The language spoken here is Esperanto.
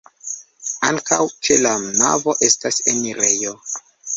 Ankaŭ ĉe la navo estas enirejo.